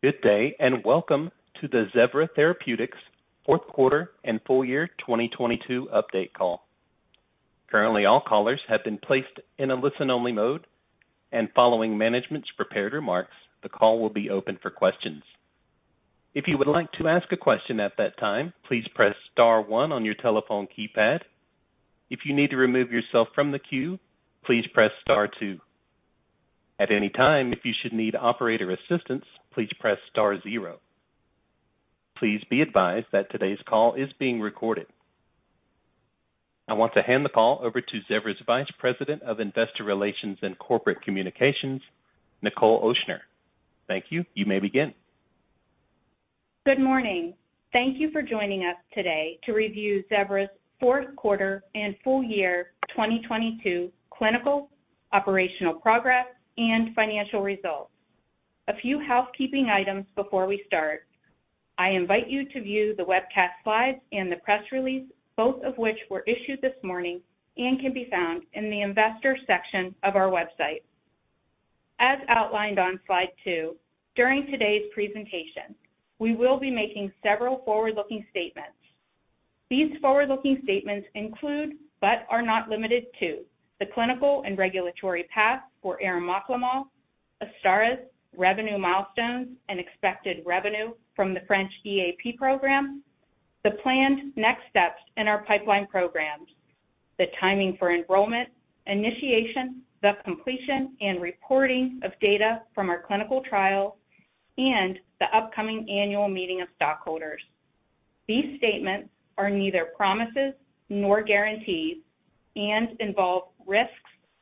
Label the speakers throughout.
Speaker 1: Good day. Welcome to the Zevra Therapeutics Fourth Quarter and Full Year 2022 Update Call. Currently, all callers have been placed in a listen-only mode. Following management's prepared remarks, the call will be open for questions. If you would like to ask a question at that time, please press star one on your telephone keypad. If you need to remove yourself from the queue, please press star two. At any time, if you should need operator assistance, please press star zero. Please be advised that today's call is being recorded. I want to hand the call over to Zevra's Vice President of Investor Relations and Corporate Communications, Nichole Mumford. Thank you. You may begin.
Speaker 2: Good morning. Thank you for joining us today to review Zevra's fourth quarter and full year 2022 clinical, operational progress, and financial results. A few housekeeping items before we start. I invite you to view the webcast slides and the press release, both of which were issued this morning and can be found in the investor section of our website. As outlined on slide two, during today's presentation, we will be making several forward-looking statements. These forward-looking statements include, but are not limited to, the clinical and regulatory path for arimoclomol, AZSTARYS, revenue milestones, and expected revenue from the French EAP program, the planned next steps in our pipeline programs, the timing for enrollment, initiation, the completion, and reporting of data from our clinical trials, and the upcoming annual meeting of stockholders. These statements are neither promises nor guarantees and involve risks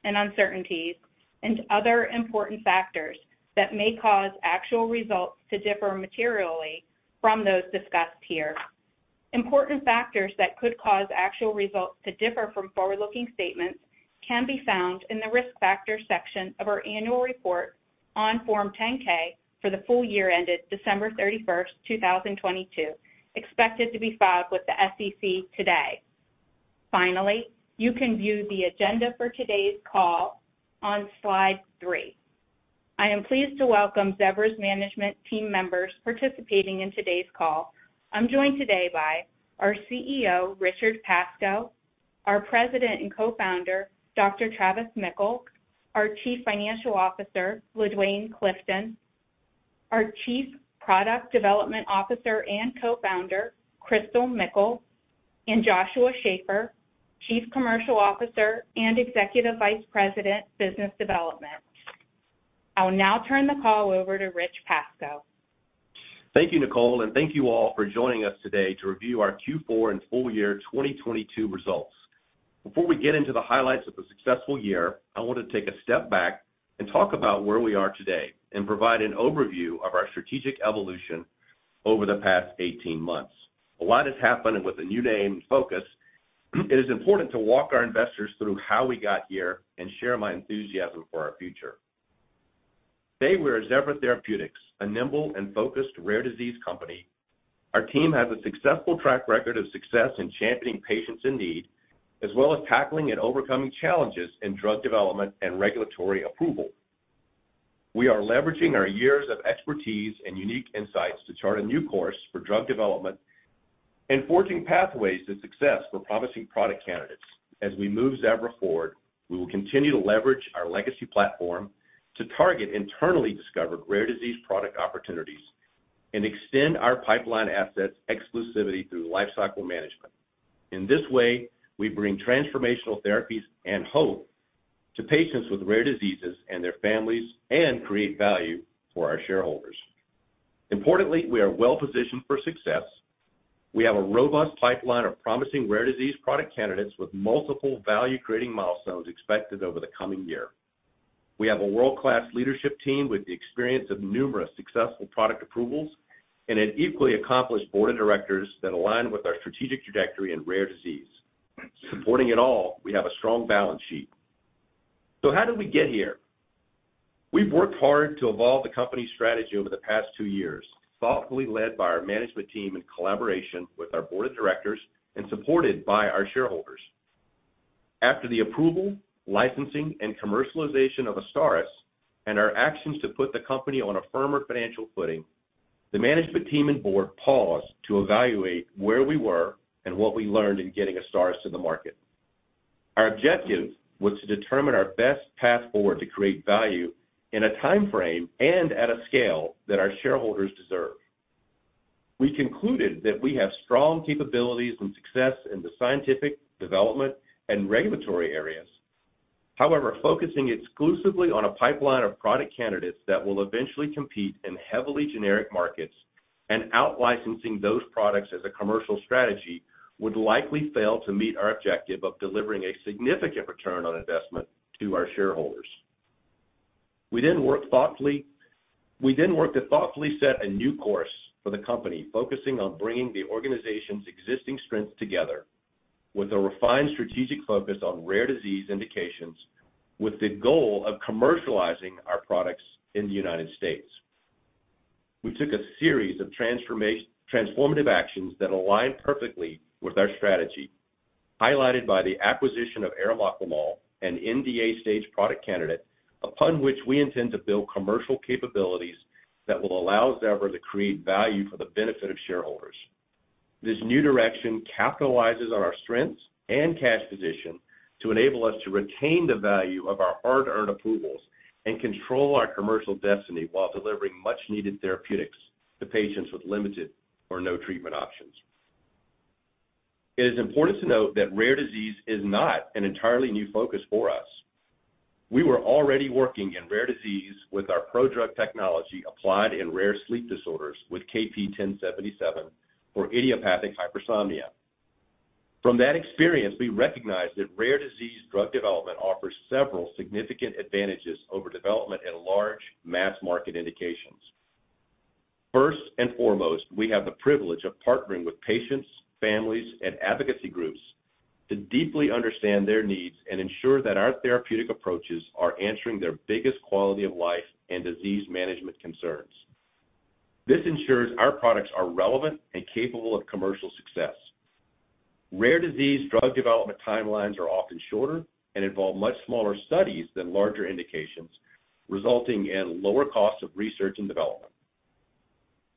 Speaker 2: and uncertainties and other important factors that may cause actual results to differ materially from those discussed here. Important factors that could cause actual results to differ from forward-looking statements can be found in the Risk Factors section of our annual report on Form 10-K for the full year ended 31 December 2022, expected to be filed with the SEC today. Finally, you can view the agenda for today's call on slide three. I am pleased to welcome Zevra's management team members participating in today's call. I'm joined today by our CEO, Richard Pascoe, our President and Co-Founder, Dr. Travis Mickle, our Chief Financial Officer, LaDuane Clifton, our Chief Product Development Officer and Co-Founder, Christal Mickle, and Joshua Schafer, Chief Commercial Officer and Executive Vice President, Business Development. I will now turn the call over to Rich Pascoe.
Speaker 3: Thank you, Nichole, and thank you all for joining us today to review our fourth quarter and full year 2022 results. Before we get into the highlights of the successful year, I want to take a step back and talk about where we are today and provide an overview of our strategic evolution over the past 18 months. A lot has happened, and with a new name and focus, it is important to walk our investors through how we got here and share my enthusiasm for our future. Today, we're Zevra Therapeutics, a nimble and focused rare disease company. Our team has a successful track record of success in championing patients in need, as well as tackling and overcoming challenges in drug development and regulatory approval. We are leveraging our years of expertise and unique insights to chart a new course for drug development and forging pathways to success for promising product candidates. As we move Zevra forward, we will continue to leverage our legacy platform to target internally discovered rare disease product opportunities and extend our pipeline assets exclusivity through lifecycle management. In this way, we bring transformational therapies and hope to patients with rare diseases and their families and create value for our shareholders. Importantly, we are well-positioned for success. We have a robust pipeline of promising rare disease product candidates with multiple value-creating milestones expected over the coming year. We have a world-class leadership team with the experience of numerous successful product approvals and an equally accomplished board of directors that align with our strategic trajectory in rare disease. Supporting it all, we have a strong balance sheet. How did we get here? We've worked hard to evolve the company's strategy over the past two years, thoughtfully led by our management team in collaboration with our board of directors and supported by our shareholders. After the approval, licensing, and commercialization of AZSTARYS and our actions to put the company on a firmer financial footing, the management team and board paused to evaluate where we were and what we learned in getting AZSTARYS to the market. Our objective was to determine our best path forward to create value in a timeframe and at a scale that our shareholders deserve. We concluded that we have strong capabilities and success in the scientific, development, and regulatory areas. Focusing exclusively on a pipeline of product candidates that will eventually compete in heavily generic markets and out-licensing those products as a commercial strategy would likely fail to meet our objective of delivering a significant return on investment to our shareholders. We worked to thoughtfully set a new course for the company, focusing on bringing the organization's existing strengths together with a refined strategic focus on rare disease indications with the goal of commercializing our products in the United States. We took a series of transformative actions that align perfectly with our strategy, highlighted by the acquisition of arimoclomol, an NDA stage product candidate, upon which we intend to build commercial capabilities that will allow Zevra to create value for the benefit of shareholders. This new direction capitalizes on our strengths and cash position to enable us to retain the value of our hard-earned approvals and control our commercial destiny while delivering much-needed therapeutics to patients with limited or no treatment options. It is important to note that rare disease is not an entirely new focus for us. We were already working in rare disease with our prodrug technology applied in rare sleep disorders with KP1077 for idiopathic hypersomnia. From that experience, we recognized that rare disease drug development offers several significant advantages over development in large mass-market indications. First and foremost, we have the privilege of partnering with patients, families, and advocacy groups to deeply understand their needs and ensure that our therapeutic approaches are answering their biggest quality of life and disease management concerns. This ensures our products are relevant and capable of commercial success. Rare disease drug development timelines are often shorter and involve much smaller studies than larger indications, resulting in lower costs of research and development.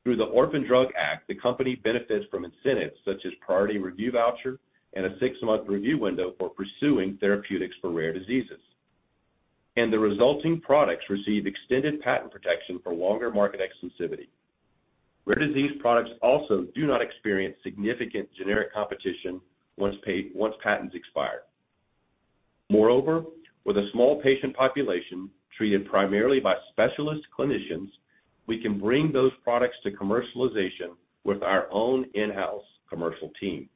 Speaker 3: Through the Orphan Drug Act, the company benefits from incentives such as priority review voucher and a six-month review window for pursuing therapeutics for rare diseases. The resulting products receive extended patent protection for longer market exclusivity. Rare disease products also do not experience significant generic competition once patents expire. Moreover, with a small patient population treated primarily by specialist clinicians, we can bring those products to commercialization with our own in-house commercial team.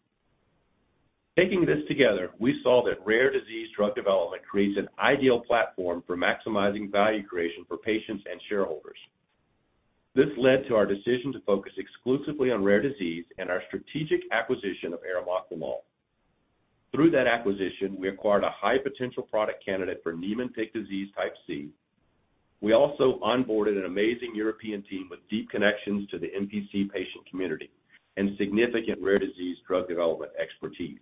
Speaker 3: Taking this together, we saw that rare disease drug development creates an ideal platform for maximizing value creation for patients and shareholders. This led to our decision to focus exclusively on rare disease and our strategic acquisition of arimoclomol. Through that acquisition, we acquired a high-potential product candidate for Niemann-Pick disease Type C. We also onboarded an amazing European team with deep connections to the NPC patient community and significant rare disease drug development expertise.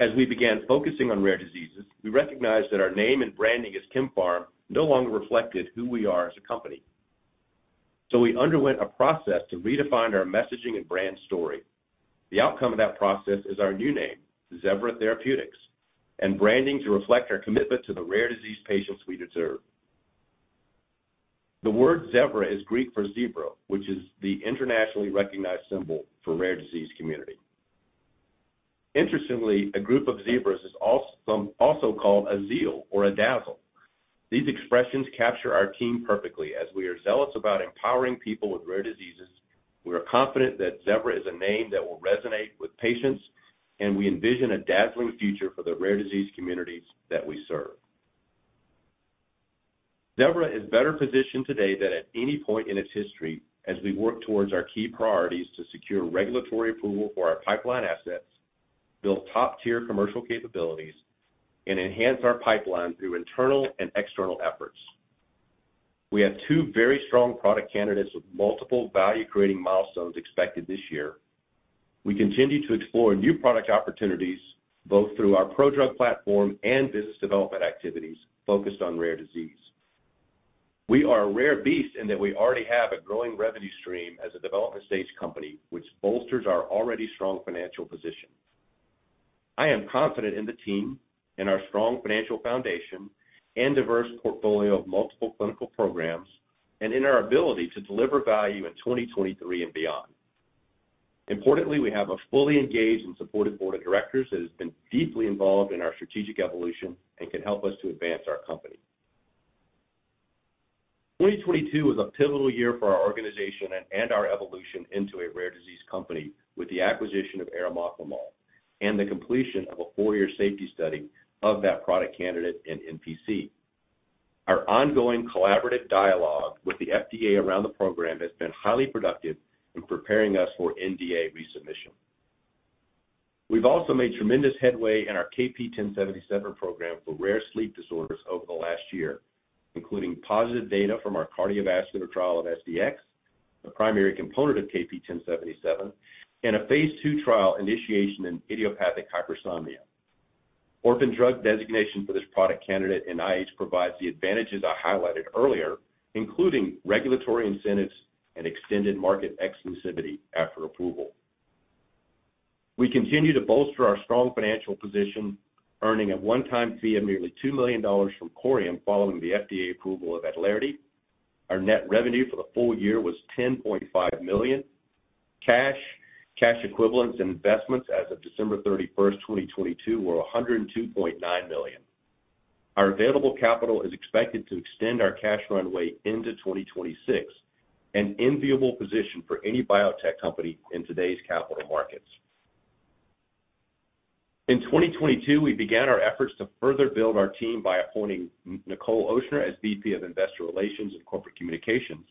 Speaker 3: As we began focusing on rare diseases, we recognized that our name and branding as KemPharm no longer reflected who we are as a company. We underwent a process to redefine our messaging and brand story. The outcome of that process is our new name, Zevra Therapeutics, and branding to reflect our commitment to the rare disease patients we deserve. The word Zevra is Greek for zebra, which is the internationally recognized symbol for rare disease community. Interestingly, a group of zebras is also called a zeal or a dazzle. These expressions capture our team perfectly as we are zealous about empowering people with rare diseases. We are confident that Zevra is a name that will resonate with patients, and we envision a dazzling future for the rare disease communities that we serve. Zevra is better positioned today than at any point in its history as we work towards our key priorities to secure regulatory approval for our pipeline assets, build top-tier commercial capabilities, and enhance our pipeline through internal and external efforts. We have two very strong product candidates with multiple value-creating milestones expected this year. We continue to explore new product opportunities, both through our prodrug platform and business development activities focused on rare disease. We are a rare beast in that we already have a growing revenue stream as a development stage company, which bolsters our already strong financial position. I am confident in the team, in our strong financial foundation, and diverse portfolio of multiple clinical programs, and in our ability to deliver value in 2023 and beyond. Importantly, we have a fully engaged and supportive board of directors that has been deeply involved in our strategic evolution and can help us to advance our company. 2022 was a pivotal year for our organization and our evolution into a rare disease company with the acquisition of arimoclomol and the completion of a four-year safety study of that product candidate in NPC. Our ongoing collaborative dialogue with the FDA around the program has been highly productive in preparing us for NDA resubmission. We've also made tremendous headway in our KP1077 program for rare sleep disorders over the last year, including positive data from our cardiovascular trial of SDX, the primary component of KP1077, and a phase II trial initiation in idiopathic hypersomnia. Orphan drug designation for this product candidate in IH provides the advantages I highlighted earlier, including regulatory incentives and extended market exclusivity after approval. We continue to bolster our strong financial position, earning a one-time fee of nearly $2 million from Corium following the FDA approval of ADLARITY. Our net revenue for the full year was $10.5 million. Cash, cash equivalents, and investments as of 31 December 2022 were $102.9 million. Our available capital is expected to extend our cash runway into 2026, an enviable position for any biotech company in today's capital markets. In 2022, we began our efforts to further build our team by appointing Nichole Mumford as VP of Investor Relations and Corporate Communications.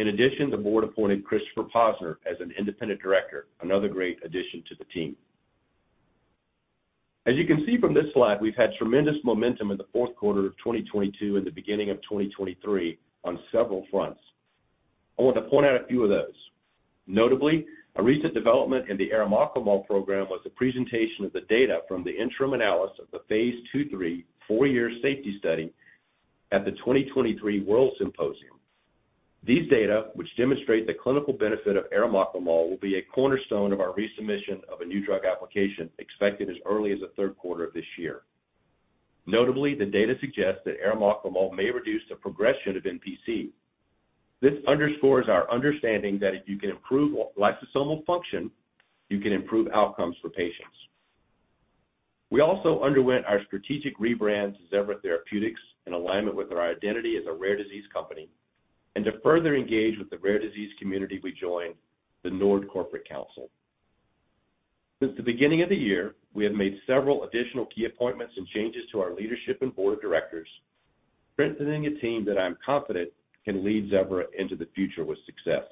Speaker 3: In addition, the board appointed Christopher Posner as an Independent Director, another great addition to the team. You can see from this slide, we've had tremendous momentum in the fourth quarter of 2022 and the beginning of 2023 on several fronts. I want to point out a few of those. Notably, a recent development in the arimoclomol program was the presentation of the data from the interim analysis of the Phase II-III four-year safety study at the 2023 WORLDSymposium. These data, which demonstrate the clinical benefit of arimoclomol, will be a cornerstone of our resubmission of a new drug application expected as early as the third quarter of this year. Notably, the data suggests that arimoclomol may reduce the progression of NPC. This underscores our understanding that if you can improve lysosomal function, you can improve outcomes for patients. We also underwent our strategic rebrand to Zevra Therapeutics in alignment with our identity as a rare disease company. To further engage with the rare disease community, we joined the NORD Corporate Council. Since the beginning of the year, we have made several additional key appointments and changes to our leadership and board of directors, presenting a team that I am confident can lead Zevra into the future with success.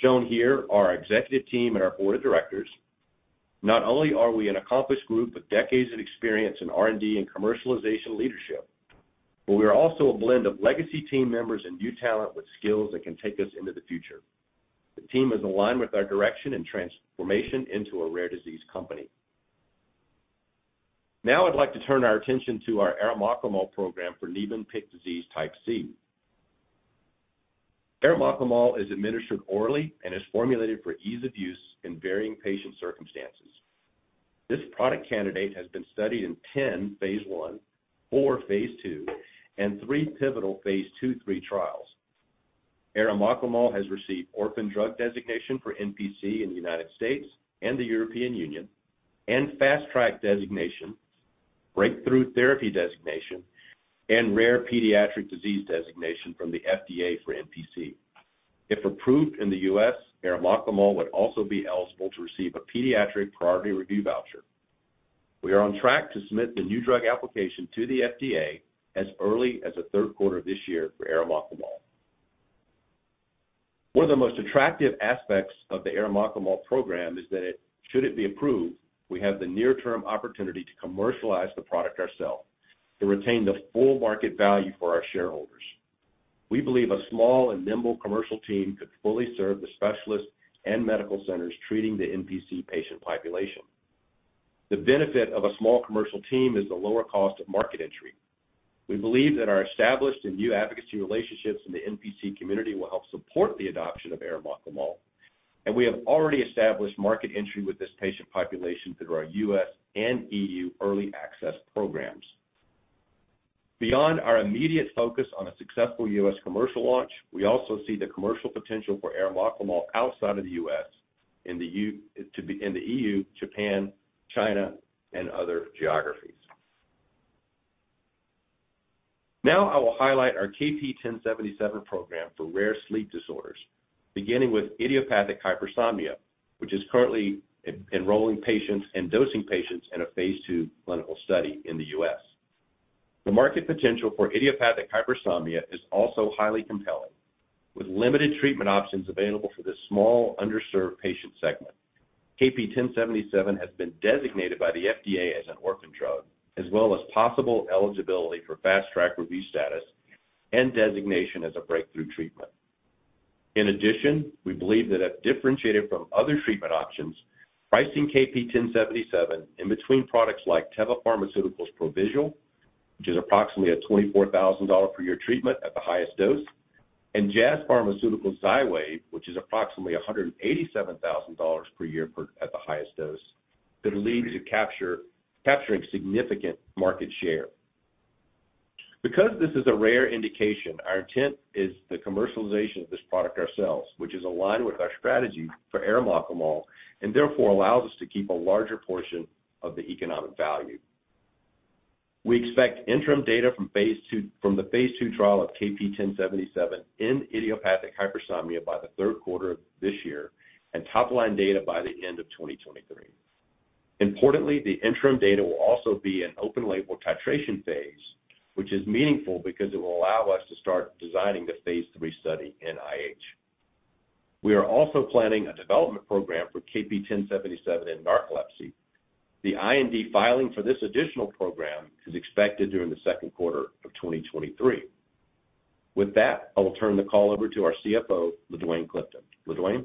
Speaker 3: Shown here are our executive team and our board of directors. Not only are we an accomplished group with decades of experience in R&D and commercialization leadership, but we are also a blend of legacy team members and new talent with skills that can take us into the future. The team is aligned with our direction and transformation into a rare disease company. I'd like to turn our attention to our arimoclomol program for Niemann-Pick disease type C. arimoclomol is administered orally and is formulated for ease of use in varying patient circumstances. This product candidate has been studied in 10 phase I, four phase II, and three pivotal phase II-III trials. arimoclomol has received orphan drug designation for NPC in the US and the EU, fast track designation, breakthrough therapy designation, and rare pediatric disease designation from the FDA for NPC. If approved in the US, arimoclomol would also be eligible to receive a pediatric priority review voucher. We are on track to submit the new drug application to the FDA as early as the third quarter of this year for arimoclomol. One of the most attractive aspects of the arimoclomol program is that should it be approved, we have the near-term opportunity to commercialize the product ourselves to retain the full market value for our shareholders. We believe a small and nimble commercial team could fully serve the specialists and medical centers treating the NPC patient population. The benefit of a small commercial team is the lower cost of market entry. We believe that our established and new advocacy relationships in the NPC community will help support the adoption of arimoclomol, we have already established market entry with this patient population through our US and EU early access programs. Beyond our immediate focus on a successful US commercial launch, we also see the commercial potential for arimoclomol outside of the US to be in the EU, Japan, China, and other geographies. I will highlight our KP1077 program for rare sleep disorders, beginning with idiopathic hypersomnia, which is currently enrolling patients and dosing patients in a phase II clinical study in the US. The market potential for idiopathic hypersomnia is also highly compelling, with limited treatment options available for this small, underserved patient segment. KP1077 has been designated by the FDA as an orphan drug, as well as possible eligibility for fast-track review status and designation as a breakthrough treatment. We believe that differentiated from other treatment options, pricing KP1077 in between products like Teva Pharmaceuticals' Provigil, which is approximately a $24,000 per year treatment at the highest dose, and Jazz Pharmaceuticals' Xywav, which is approximately a $187,000 per year at the highest dose, could lead to capturing significant market share. This is a rare indication, our intent is the commercialization of this product ourselves, which is aligned with our strategy for arimoclomol and therefore allows us to keep a larger portion of the economic value. We expect interim data from the phase II trial of KP1077 in idiopathic hypersomnia by the third quarter of this year and top-line data by the end of 2023. Importantly, the interim data will also be an open label titration phase, which is meaningful because it will allow us to start designing the phase III study in IH. We are also planning a development program for KP1077 in narcolepsy. The IND filing for this additional program is expected during the second quarter of 2023. With that, I will turn the call over to our CFO, LaDuane Clifton. LaDuane?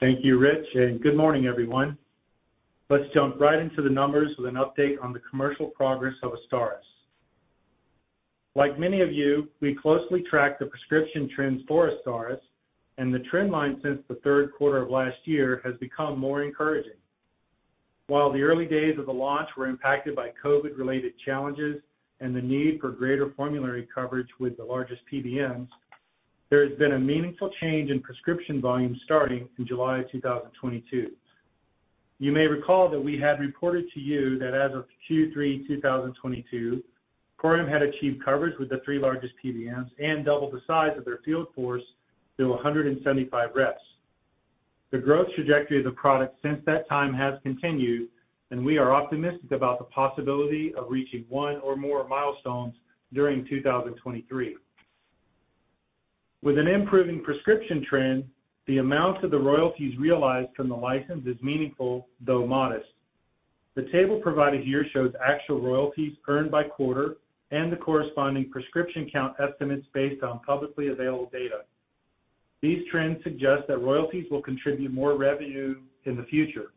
Speaker 4: Thank you, Rich, and good morning, everyone. Let's jump right into the numbers with an update on the commercial progress of AZSTARYS. Like many of you, we closely track the prescription trends for AZSTARYS, and the trend line since the third quarter of last year has become more encouraging. While the early days of the launch were impacted by COVID-related challenges and the need for greater formulary coverage with the largest PBMs, there has been a meaningful change in prescription volume starting in July 2022. You may recall that we had reported to you that as of third quarter 2022, Corium had achieved coverage with the three largest PBMs and doubled the size of their field force to 175 reps. The growth trajectory of the product since that time has continued, and we are optimistic about the possibility of reaching one or more milestones during 2023. With an improving prescription trend, the amount of the royalties realized from the license is meaningful, though modest. The table provided here shows actual royalties earned by quarter and the corresponding prescription count estimates based on publicly available data. These trends suggest that royalties will contribute more revenue in the future.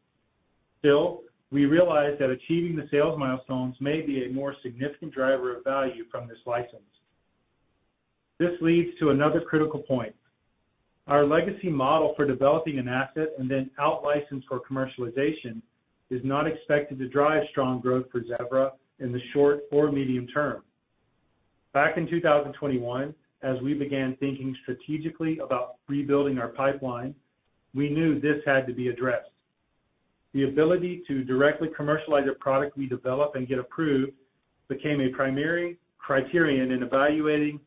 Speaker 4: Still, we realize that achieving the sales milestones may be a more significant driver of value from this license. This leads to another critical point. Our legacy model for developing an asset and then out-license for commercialization is not expected to drive strong growth for Zevra in the short or medium term. Back in 2021, as we began thinking strategically about rebuilding our pipeline, we knew this had to be addressed. The ability to directly commercialize a product we develop and get approved became a primary criterion in evaluating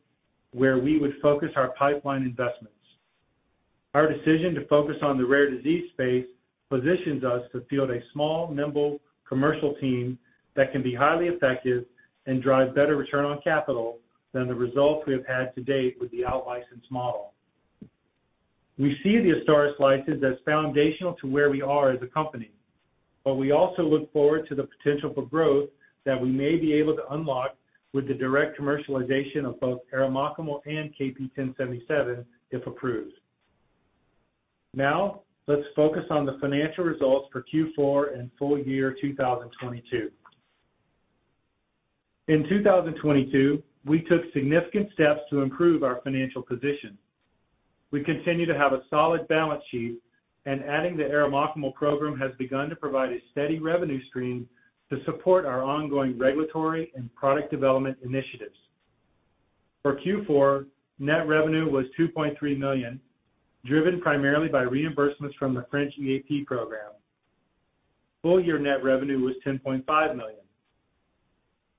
Speaker 4: where we would focus our pipeline investments. Our decision to focus on the rare disease space positions us to field a small, nimble commercial team that can be highly effective and drive better return on capital than the results we have had to date with the out-license model. We see the AZSTARYS license as foundational to where we are as a company, but we also look forward to the potential for growth that we may be able to unlock with the direct commercialization of both arimoclomol and KP1077 if approved. Let's focus on the financial results for fourth quarter and full year 2022. In 2022, we took significant steps to improve our financial position. We continue to have a solid balance sheet, and adding the arimoclomol program has begun to provide a steady revenue stream to support our ongoing regulatory and product development initiatives. For fourth quarter, net revenue was $2.3 million, driven primarily by reimbursements from the French EAP program. Full year net revenue was $10.5 million.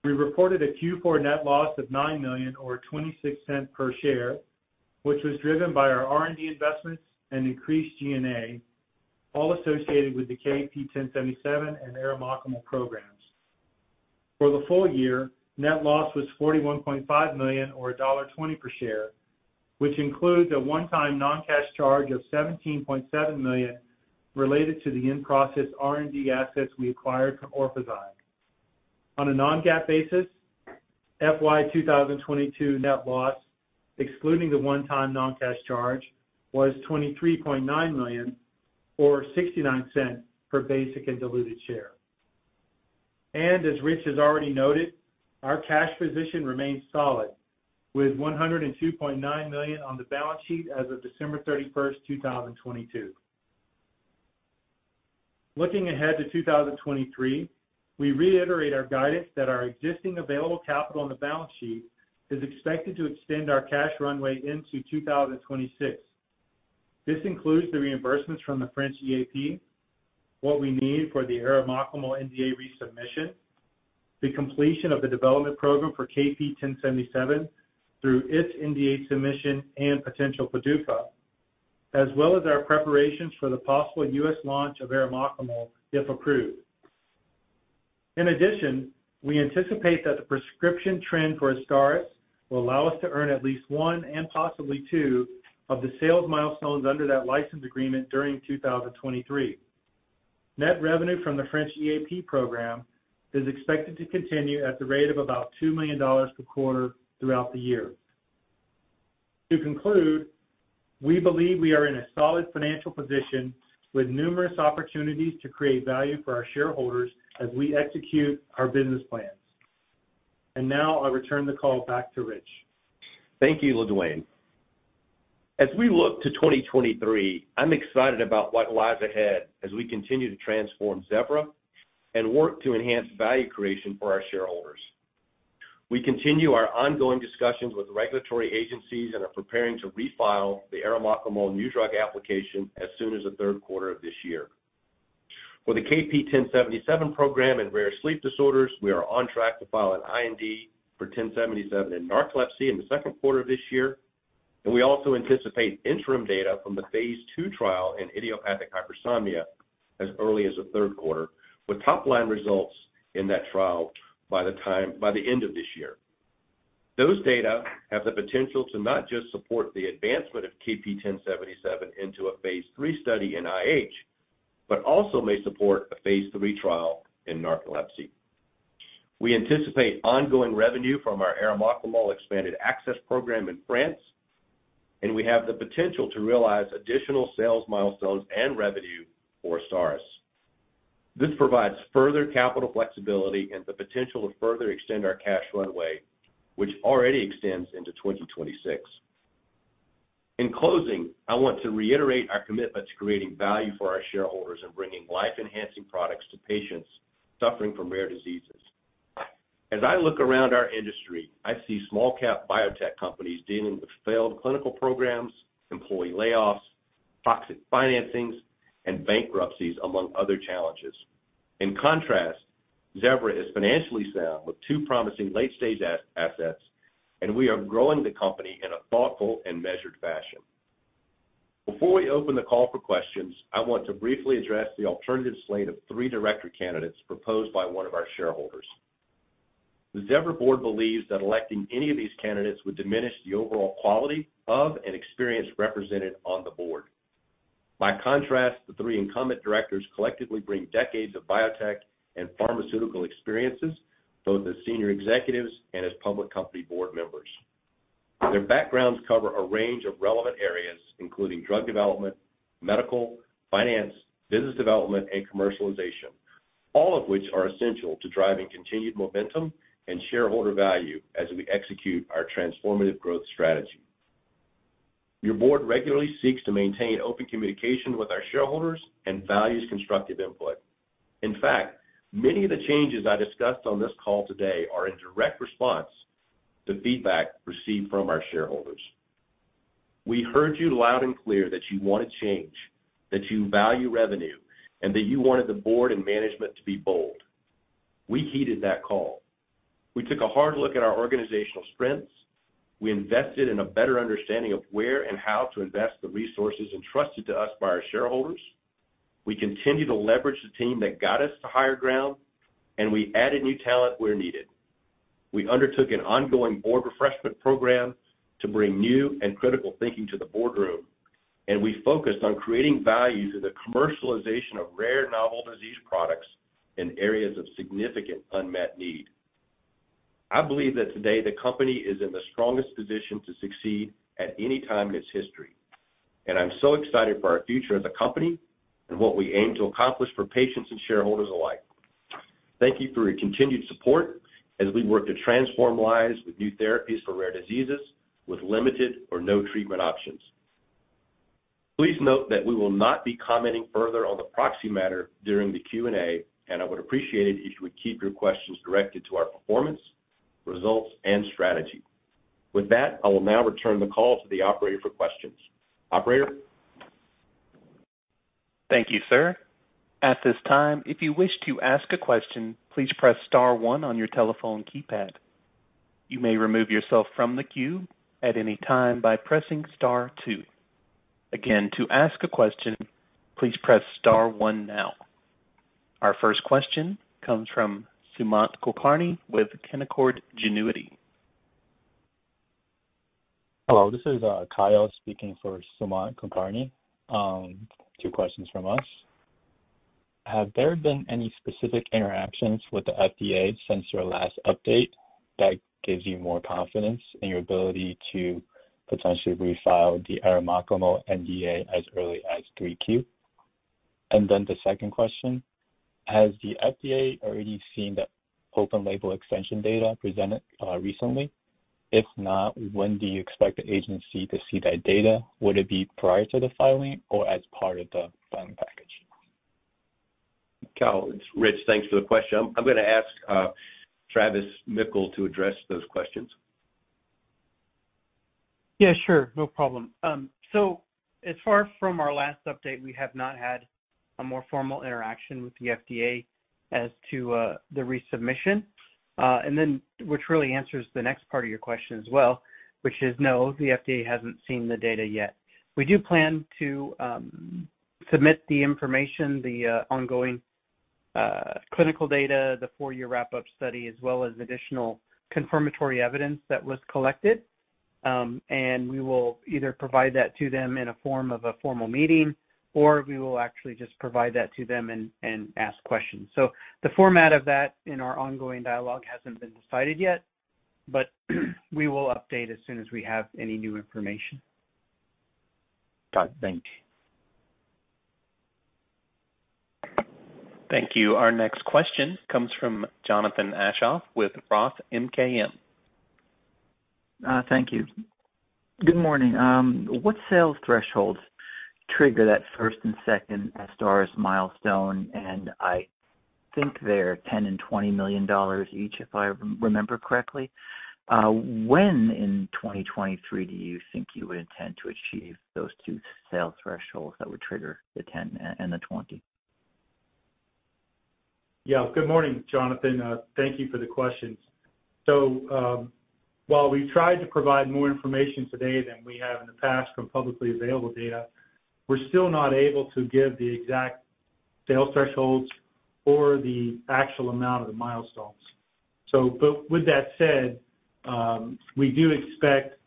Speaker 4: We reported a fourth quarter net loss of $9 million or $0.26 per share, which was driven by our R&D investments and increased G&A, all associated with the KP1077 and arimoclomol programs. For the full year, net loss was $41.5 million or $1.20 per share, which includes a one-time non-cash charge of $17.7 million related to the in-process R&D assets we acquired from Orphazyme. On a non-GAAP basis, fiscal year 2022 net loss, excluding the one-time non-cash charge, was $23.9 million or $0.69 per basic and diluted share. As Rich has already noted, our cash position remains solid with $102.9 million on the balance sheet as of 31 December 2022. Looking ahead to 2023, we reiterate our guidance that our existing available capital on the balance sheet is expected to extend our cash runway into 2026. This includes the reimbursements from the French EAP, what we need for the arimoclomol NDA resubmission, the completion of the development program for KP1077 through its NDA submission and potential PDUFA, as well as our preparations for the possible US launch of arimoclomol, if approved. In addition, we anticipate that the prescription trend for AZSTARYS will allow us to earn at least one and possibly two of the sales milestones under that license agreement during 2023. Net revenue from the French EAP program is expected to continue at the rate of about $2 million per quarter throughout the year. To conclude, we believe we are in a solid financial position with numerous opportunities to create value for our shareholders as we execute our business plans. Now I'll return the call back to Rich.
Speaker 3: Thank you, LaDuane. As we look to 2023, I'm excited about what lies ahead as we continue to transform Zevra and work to enhance value creation for our shareholders. We continue our ongoing discussions with regulatory agencies and are preparing to refile the arimoclomol new drug application as soon as the third quarter of this year. For the KP1077 program in rare sleep disorders, we are on track to file an IND for 1077 in narcolepsy in the second quarter of this year, and we also anticipate interim data from the phase II trial in idiopathic hypersomnia as early as the third quarter, with top line results in that trial by the end of this year. Those data have the potential to not just support the advancement of KP1077 into a phase III study in IH, but also may support a phase III trial in narcolepsy. We anticipate ongoing revenue from our arimoclomol expanded access program in France, and we have the potential to realize additional sales milestones and revenue for AZSTARYS. This provides further capital flexibility and the potential to further extend our cash runway, which already extends into 2026. In closing, I want to reiterate our commitment to creating value for our shareholders and bringing life-enhancing products to patients suffering from rare diseases. As I look around our industry, I see small cap biotech companies dealing with failed clinical programs, employee layoffs, toxic financings, and bankruptcies, among other challenges. In contrast, Zevra is financially sound with two promising late-stage assets, and we are growing the company in a thoughtful and measured fashion. Before we open the call for questions, I want to briefly address the alternative slate of three director candidates proposed by one of our shareholders. The Zevra board believes that electing any of these candidates would diminish the overall quality of and experience represented on the board. By contrast, the three incumbent directors collectively bring decades of biotech and pharmaceutical experiences, both as senior executives and as public company board members. Their backgrounds cover a range of relevant areas, including drug development, medical, finance, business development, and commercialization, all of which are essential to driving continued momentum and shareholder value as we execute our transformative growth strategy. Your board regularly seeks to maintain open communication with our shareholders and values constructive input. In fact, many of the changes I discussed on this call today are in direct response to feedback received from our shareholders. We heard you loud and clear that you want change, that you value revenue, and that you wanted the board and management to be bold. We heeded that call. We took a hard look at our organizational strengths. We invested in a better understanding of where and how to invest the resources entrusted to us by our shareholders. We continue to leverage the team that got us to higher ground, and we added new talent where needed. We undertook an ongoing board refreshment program to bring new and critical thinking to the boardroom, and we focused on creating value through the commercialization of rare novel disease products in areas of significant unmet need. I believe that today the company is in the strongest position to succeed at any time in its history. I'm so excited for our future as a company and what we aim to accomplish for patients and shareholders alike. Thank you for your continued support as we work to transform lives with new therapies for rare diseases with limited or no treatment options. Please note that we will not be commenting further on the proxy matter during the Q&A. I would appreciate it if you would keep your questions directed to our performance, results, and strategy. With that, I will now return the call to the operator for questions. Operator?
Speaker 1: Thank you, sir. At this time, if you wish to ask a question, please press star one on your telephone keypad. You may remove yourself from the queue at any time by pressing star two. Again, to ask a question, please press star one now. Our first question comes from Sumant Kulkarni with Canaccord Genuity.
Speaker 5: Hello, this is Kyle speaking for Sumant Kulkarni. Two questions from us. Have there been any specific interactions with the FDA since your last update that gives you more confidence in your ability to potentially refile the arimoclomol NDA as early as third quarter? The second question, has the FDA already seen the open label extension data presented recently? If not, when do you expect the agency to see that data? Would it be prior to the filing or as part of the filing package?
Speaker 3: Kyle, it's Rich. Thanks for the question. I'm gonna ask Travis Mickle to address those questions.
Speaker 6: Yeah, sure. No problem. As far from our last update, we have not had a more formal interaction with the FDA as to the resubmission. Which really answers the next part of your question as well, which is no, the FDA hasn't seen the data yet. We do plan to submit the information, the ongoing clinical data, the four-year wrap-up study, as well as additional confirmatory evidence that was collected. We will either provide that to them in a form of a formal meeting, or we will actually just provide that to them and ask questions. The format of that in our ongoing dialogue hasn't been decided yet, but we will update as soon as we have any new information.
Speaker 5: Got it. Thank you.
Speaker 1: Thank you. Our next question comes from Jonathan Aschoff with Roth MKM.
Speaker 7: Thank you. Good morning. What sales thresholds trigger that first and second AZSTARYS milestone? I think they're $10 million and $20 million each, if I remember correctly. When in 2023 do you think you would intend to achieve those two sales thresholds that would trigger the $10 million and the $20 million?
Speaker 4: Yeah. Good morning, Jonathan. Thank you for the questions. While we tried to provide more information today than we have in the past from publicly available data, we're still not able to give the exact sales thresholds or the actual amount of the milestones. But with that said, we do expect,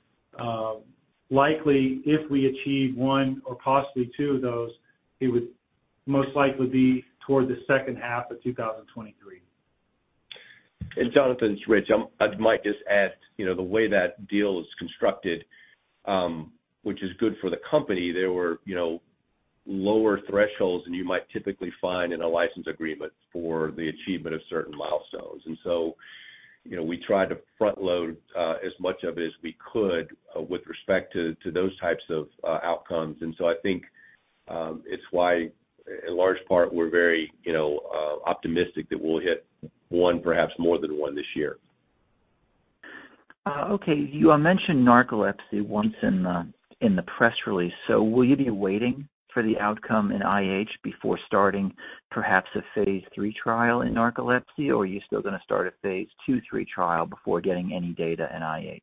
Speaker 4: likely if we achieve one or possibly two of those, it would most likely be towards the second half of 2023.
Speaker 3: Jonathan, it's Rich. I might just add, you know, the way that deal is constructed, which is good for the company, there were, you know, lower thresholds than you might typically find in a license agreement for the achievement of certain milestones. So, you know, we tried to front load as much of it as we could with respect to those types of outcomes. So I think, it's why in large part, we're very, you know, optimistic that we'll hit one, perhaps more than one this year.
Speaker 7: Okay. You mentioned narcolepsy once in the, in the press release. Will you be waiting for the outcome in IH before starting perhaps a phase III trial in narcolepsy? Are you still gonna start a phase II-III trial before getting any data in IH?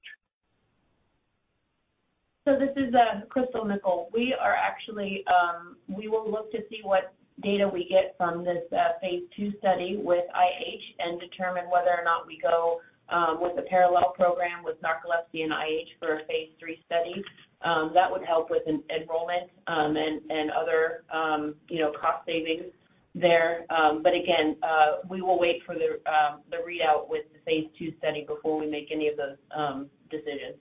Speaker 8: This is Christal Mickle. We are actually, we will look to see what data we get from this phase II study with IH and determine whether or not we go with a parallel program with narcolepsy and IH for a phase III study. That would help with enrollment, and other, you know, cost savings there. Again, we will wait for the readout with the phase II study before we make any of those decisions.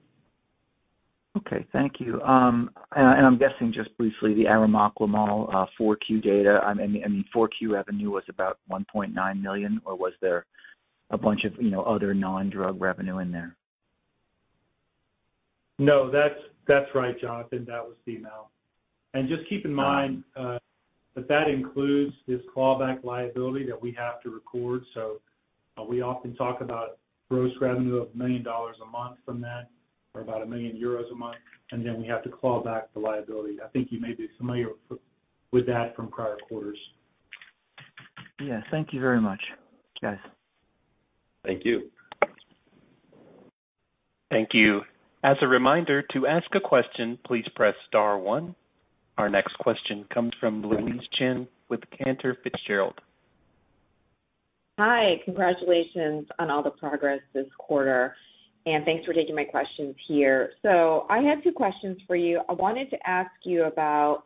Speaker 7: Okay. Thank you. I'm guessing just briefly the arimoclomol, fourth quarter data. I mean, fourth quarter revenue was about $1.9 million, or was there a bunch of, you know, other non-drug revenue in there?
Speaker 9: No, that's right, Jonathan. That was the amount. Just keep in mind that includes this clawback liability that we have to record. We often talk about gross revenue of $1 million a month from that, or about 1 million euros a month, and then we have to claw back the liability. I think you may be familiar with that from prior quarters.
Speaker 7: Yeah. Thank you very much, guys.
Speaker 9: Thank you.
Speaker 1: Thank you. As a reminder, to ask a question, please press star one. Our next question comes from Louise Chen with Cantor Fitzgerald.
Speaker 10: Hi. Congratulations on all the progress this quarter. Thanks for taking my questions here. I have two questions for you. I wanted to ask you about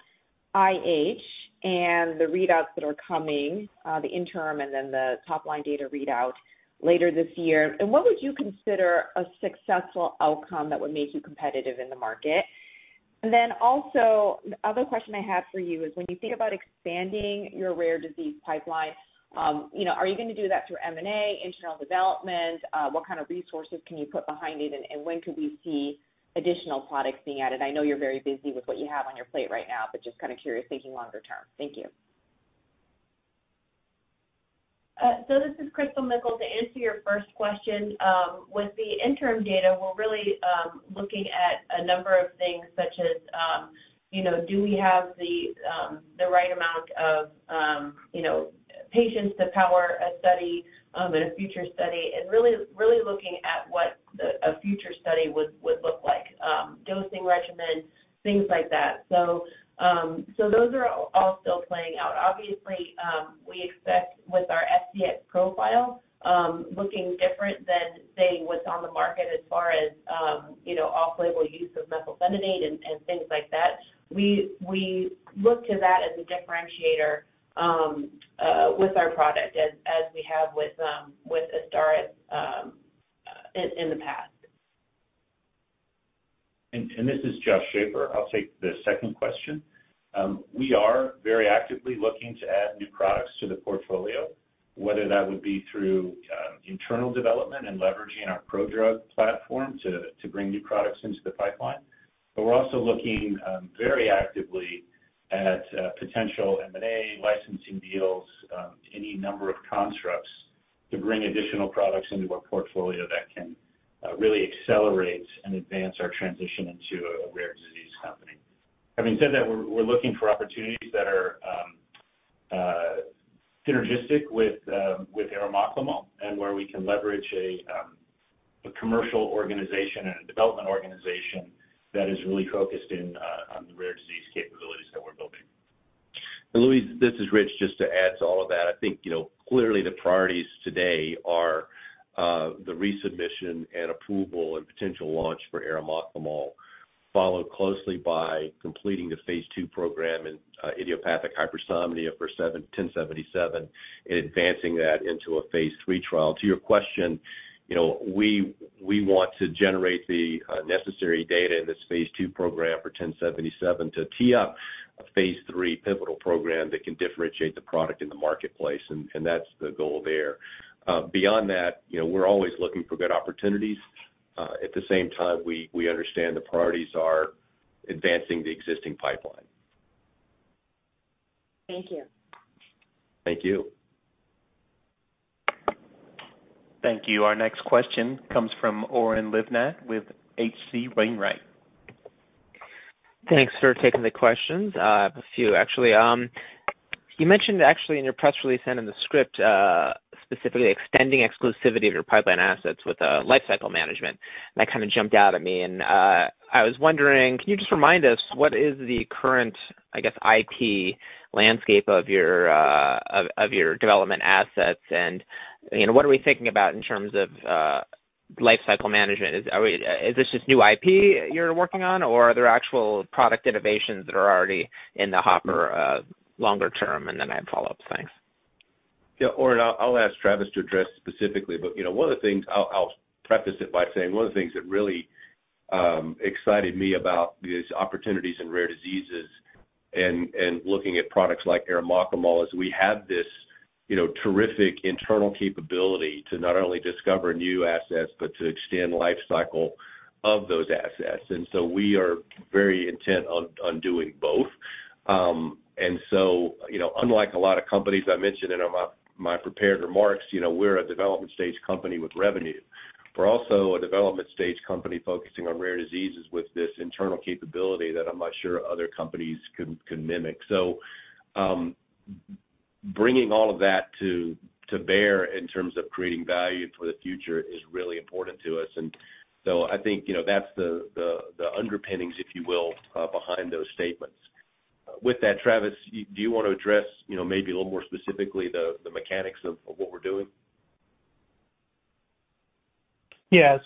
Speaker 10: IH and the readouts that are coming, the interim and then the top-line data readout later this year. What would you consider a successful outcome that would make you competitive in the market? Then also, the other question I have for you is when you think about expanding your rare disease pipeline, you know, are you gonna do that through M&A, internal development? What kind of resources can you put behind it, and when could we see additional products being added? I know you're very busy with what you have on your plate right now, but just kind of curious, thinking longer term. Thank you.
Speaker 8: This is Christal Mickle. To answer your first question, with the interim data, we're really looking at a number of things such as, you know, do we have the right amount of, you know, patients to power a study in a future study, and really looking at what a future study would look like, dosing regimens, things like that. Those are all still playing out. Obviously, we expect with our PK profile, looking different than, say, what's on the market as far as, you know, off-label use of methylphenidate and things like that. We look to that as a differentiator with our product as we have with AZSTARYS in the past.
Speaker 9: This is Joshua Schafer. I'll take the second question. We are very actively looking to add new products to the portfolio, whether that would be through internal development and leveraging our prodrug platform to bring new products into the pipeline. We're also looking very actively at potential M&A, licensing deals, any number of constructs to bring additional products into our portfolio that can really accelerate and advance our transition into a rare disease company. Having said that, we're looking for opportunities that are synergistic with arimoclomol and where we can leverage a commercial organization and a development organization that is really focused in on the rare disease capabilities that we're building.
Speaker 3: Louise, this is Rich. Just to add to all of that, I think, you know, clearly the priorities today are the resubmission and approval and potential launch for arimoclomol, followed closely by completing the phase II program in idiopathic hypersomnia for 1077 and advancing that into a phase III trial. To your question, you know, we want to generate the necessary data in this phase II program for 1077 to tee up a phase III pivotal program that can differentiate the product in the marketplace, and that's the goal there. Beyond that, you know, we're always looking for good opportunities. At the same time, we understand the priorities are advancing the existing pipeline.
Speaker 10: Thank you.
Speaker 3: Thank you.
Speaker 1: Thank you. Our next question comes from Oren Livnat with H.C. Wainwright.
Speaker 11: Thanks for taking the questions. I have a few actually. You mentioned actually in your press release and in the script, specifically extending exclusivity of your pipeline assets with lifecycle management, and that kind of jumped out at me. I was wondering, can you just remind us what is the current, I guess, IP landscape of your, of your development assets? You know, what are we thinking about in terms of lifecycle management? Is this just new IP you're working on, or are there actual product innovations that are already in the hopper, longer term? Then I have follow-ups. Thanks.
Speaker 3: Yeah. Oren, I'll ask Travis to address specifically. you know, I'll preface it by saying one of the things that really excited me about these opportunities in rare diseases and looking at products like arimoclomol is we have this, you know, terrific internal capability to not only discover new assets but to extend the lifecycle of those assets. We are very intent on doing both. you know, unlike a lot of companies I mentioned in my prepared remarks, you know, we're a development stage company with revenue. We're also a development stage company focusing on rare diseases with this internal capability that I'm not sure other companies can mimic. Bringing all of that to bear in terms of creating value for the future is really important to us. I think, you know, that's the underpinnings, if you will, behind those statements. With that, Travis, do you want to address, you know, maybe a little more specifically the mechanics of what we're doing?
Speaker 6: As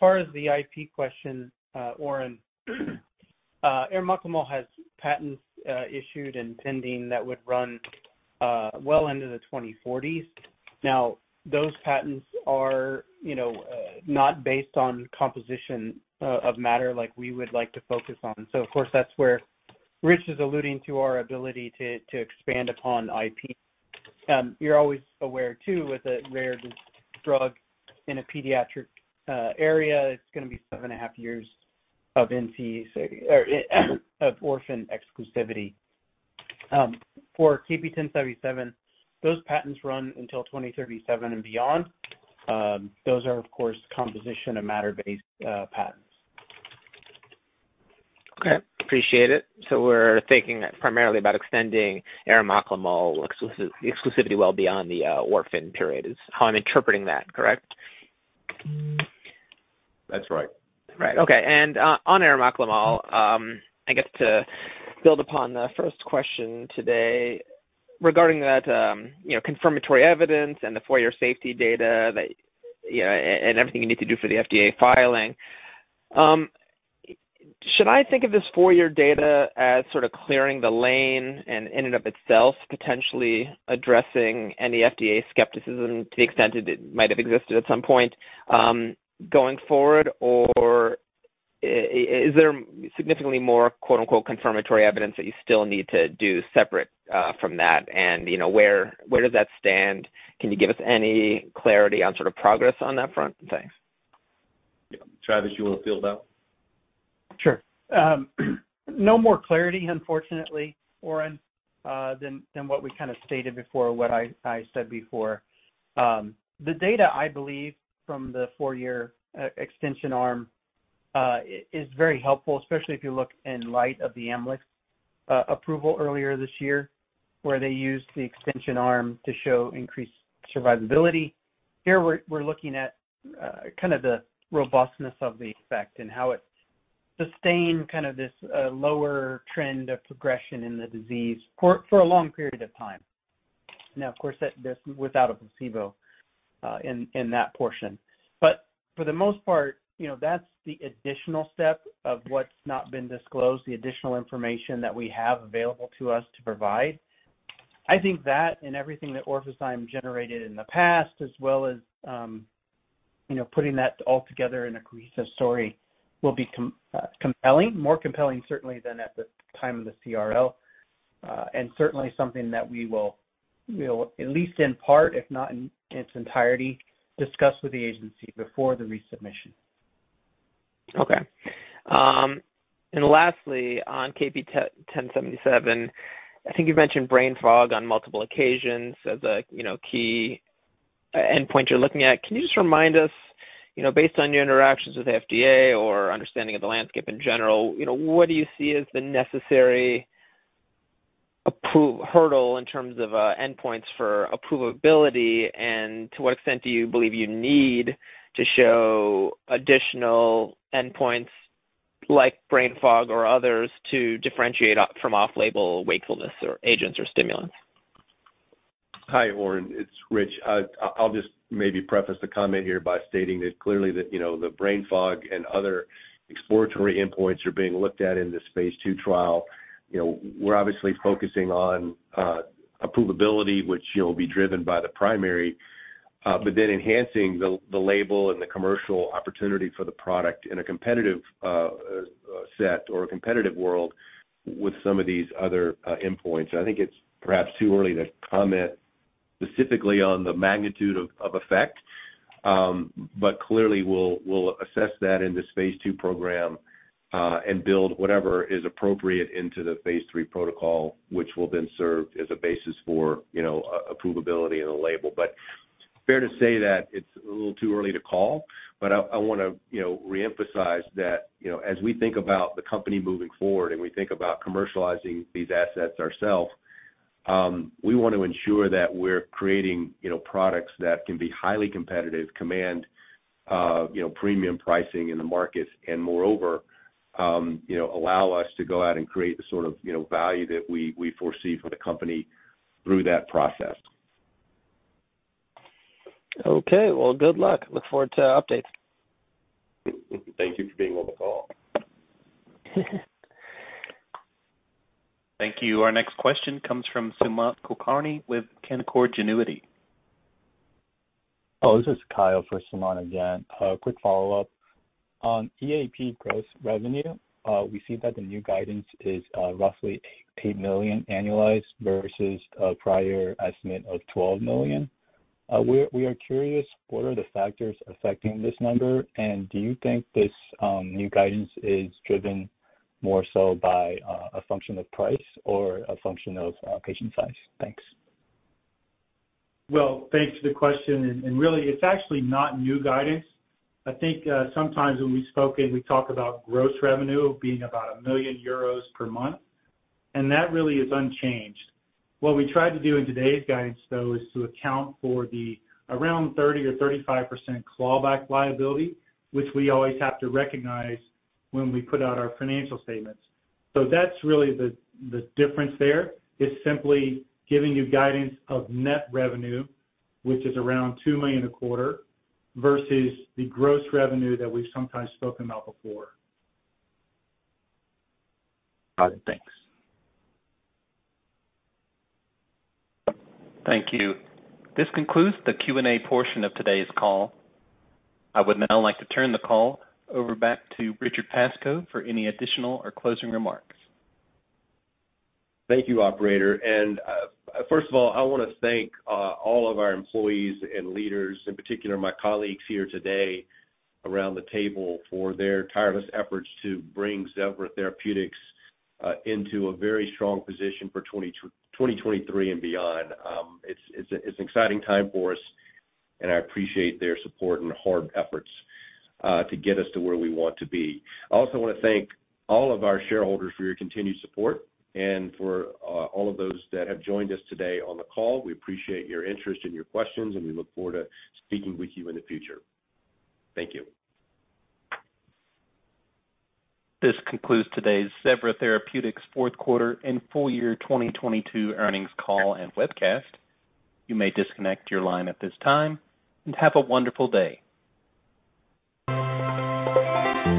Speaker 6: far as the IP question, Oren, arimoclomol has patents issued and pending that would run well into the 2040s. Those patents are, you know, not based on composition of matter like we would like to focus on. Of course, that's where Rich is alluding to our ability to expand upon IP. You're always aware too with a rare drug in a pediatric area, it's gonna be 7.5 years of orphan exclusivity. For KP1077, those patents run until 2037 and beyond. Those are of course composition and matter-based patents.
Speaker 11: Okay, appreciate it. We're thinking primarily about extending arimoclomol exclusivity well beyond the orphan period is how I'm interpreting that, correct?
Speaker 3: That's right.
Speaker 11: Right. Okay. On arimoclomol, I guess to build upon the first question today regarding that, you know, confirmatory evidence and the four-year safety data that, you know, and everything you need to do for the FDA filing. Should I think of this four-year data as sort of clearing the lane and in and of itself potentially addressing any FDA skepticism to the extent it might have existed at some point, going forward or is there significantly more, quote-unquote, confirmatory evidence that you still need to do separate from that? And, you know, where does that stand? Can you give us any clarity on sort of progress on that front? Thanks.
Speaker 3: Travis, you wanna field that?
Speaker 6: Sure. No more clarity, unfortunately, Oren, than what we kind of stated before, what I said before. The data I believe from the four-year extension arm is very helpful, especially if you look in light of the Amylyx approval earlier this year, where they used the extension arm to show increased survivability. Here we're looking at kind of the robustness of the effect and how it sustained kind of this lower trend of progression in the disease for a long period of time. Now, of course that this without a placebo in that portion. For the most part, you know, that's the additional step of what's not been disclosed, the additional information that we have available to us to provide. I think that and everything that Orphazyme generated in the past as well as, you know, putting that all together in a cohesive story will be compelling. More compelling certainly than at the time of the CRL. Certainly something that we will, you know, at least in part, if not in its entirety, discuss with the agency before the resubmission.
Speaker 11: Okay. lastly, on KP1077, I think you've mentioned brain fog on multiple occasions as a, you know, key endpoint you're looking at. Can you just remind us, you know, based on your interactions with FDA or understanding of the landscape in general, you know, what do you see as the necessary hurdle in terms of endpoints for approvability? To what extent do you believe you need to show additional endpoints like brain fog or others to differentiate from off-label wakefulness or agents or stimulants?
Speaker 3: Hi, Oren. It's Rich. I'll just maybe preface the comment here by stating that clearly that, you know, the brain fog and other exploratory endpoints are being looked at in this phase II trial. You know, we're obviously focusing on approvability, which, you know, will be driven by the primary, but then enhancing the label and the commercial opportunity for the product in a competitive set or a competitive world with some of these other endpoints. I think it's perhaps too early to comment specifically on the magnitude of effect. Clearly we'll assess that in this phase II program and build whatever is appropriate into the phase III protocol, which will then serve as a basis for, you know, approvability in the label. Fair to say that it's a little too early to call, but I wanna, you know, reemphasize that, you know, as we think about the company moving forward and we think about commercializing these assets ourself, we want to ensure that we're creating, you know, products that can be highly competitive, command, you know, premium pricing in the markets, and moreover, you know, allow us to go out and create the sort of, you know, value that we foresee for the company through that process.
Speaker 11: Okay. Well, good luck. Look forward to updates.
Speaker 3: Thank you for being on the call.
Speaker 1: Thank you. Our next question comes from Sumant Kulkarni with Canaccord Genuity.
Speaker 5: This is Kyle for Sumant again. A quick follow-up. On EAP gross revenue, we see that the new guidance is roughly $8 million annualized versus a prior estimate of $12 million. We are curious, what are the factors affecting this number? Do you think this new guidance is driven more so by a function of price or a function of patient size? Thanks.
Speaker 6: Well, thanks for the question. Really, it's actually not new guidance. I think, sometimes when we've spoken, we talk about gross revenue being about 1 million euros per month, and that really is unchanged. What we tried to do in today's guidance, though, is to account for the around 30% or 35% clawback liability, which we always have to recognize when we put out our financial statements. That's really the difference there. It's simply giving you guidance of net revenue, which is around 2 million a quarter, versus the gross revenue that we've sometimes spoken about before.
Speaker 5: Got it. Thanks.
Speaker 1: Thank you. This concludes the Q&A portion of today's call. I would now like to turn the call over back to Richard Pascoe for any additional or closing remarks.
Speaker 3: Thank you, operator. First of all, I wanna thank all of our employees and leaders, in particular my colleagues here today around the table, for their tireless efforts to bring Zevra Therapeutics into a very strong position for 2023 and beyond. It's an exciting time for us, and I appreciate their support and hard efforts to get us to where we want to be. I also wanna thank all of our shareholders for your continued support. For all of those that have joined us today on the call, we appreciate your interest and your questions, and we look forward to speaking with you in the future. Thank you.
Speaker 1: This concludes today's Zevra Therapeutics fourth quarter and full year 2022 earnings call and webcast. You may disconnect your line at this time. Have a wonderful day.